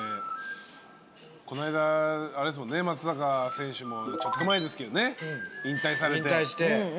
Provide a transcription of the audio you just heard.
この間松坂選手もちょっと前ですけど引退されて。